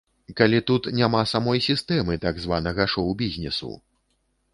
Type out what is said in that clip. Калі тут няма самой сістэмы так званага шоу-бізнесу!